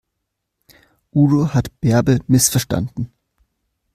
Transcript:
Udo hat Bärbel missverstanden.